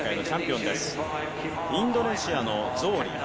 インドネシアのゾフリ。